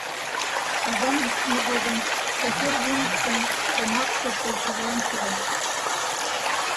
Казам лӱштымӧ годым шофёр веҥыштын шомакше пылышыжлан солныш: